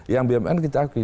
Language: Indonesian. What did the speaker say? yang bumn kita akui